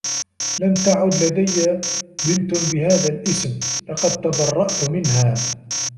لم تعد لديّ بنت بهذا الإسم. لقد تبرّأت منها.